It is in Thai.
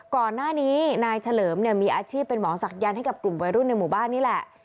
ก่อนหน้านี้นายเฉลิมเนี่ยมีอาชีพเป็นหมอศักยันต์ให้กับกลุ่มวัยรุ่นในหมู่บ้านนี่แหละ